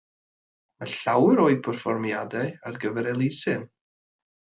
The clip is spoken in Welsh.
Mae llawer o'u perfformiadau ar gyfer elusen.